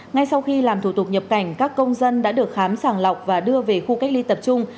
ngay sau khi làm thủ tục nhập cảnh các công dân đã được khám sàng lọc và đưa về khu cách ly tập trung